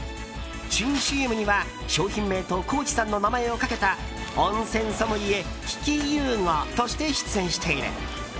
新ＣＭには商品名と高地さんの名前をかけた温泉ソムリエきき湯ごとして出演している。